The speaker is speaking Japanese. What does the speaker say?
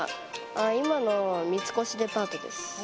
今の三越デパートです。